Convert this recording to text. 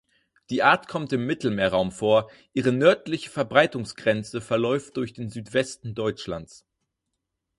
Die Art kommt im Mittelmeerraum vor, ihre nördliche Verbreitungsgrenze verläuft durch den Südwesten Deutschlands.